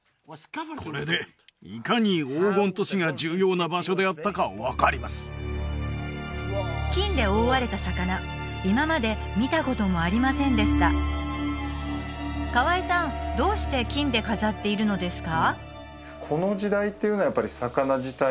これでいかに黄金都市が重要な場所であったか分かります金で覆われた魚今まで見たこともありませんでした河江さんどうして金で飾っているのですか？